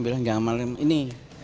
bilang jangan malam ini